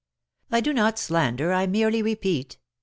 "I do not slander, I merely repeat.